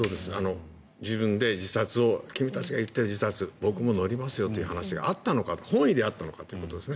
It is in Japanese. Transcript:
自分で自殺君たちが言っている自殺僕も乗りますよということが本意であったのかということです